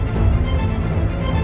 aku ingin menerima keadaanmu